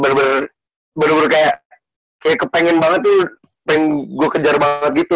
bener bener kayak kepengen banget tuh pengen gue kejar banget gitu